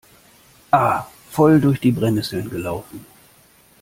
Ah, voll durch die Brennnesseln gelaufen!